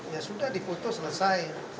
ya sudah dipoto selesai